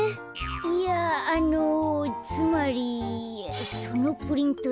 いやあのつまりそのプリント